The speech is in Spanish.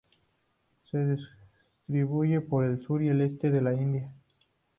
Se distribuye por el sur y este de la India.